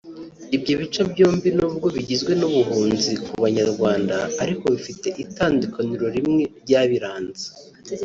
Ibyo bice byombi n’ubwo bigizwe n’ubuhunzi ku Banyarwanda ariko bifite itandukaniro rimwe ryabiranze